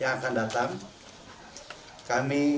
yang akan kita lakukan